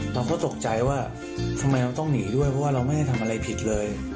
เราก็ตกใจว่าทำไมเราต้องหนีด้วยเพราะว่าเราไม่ได้ทำอะไรผิดเลย